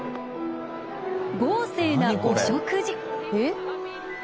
豪勢なお食事。